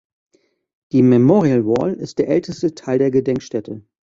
Die "Memorial Wall" ist der älteste Teil der Gedenkstätte.